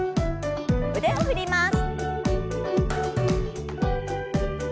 腕を振ります。